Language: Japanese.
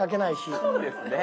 そうですね。